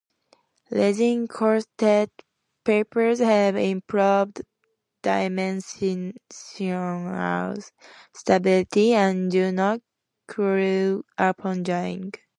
Resin-coated papers have improved dimensional stability, and do not curl upon drying.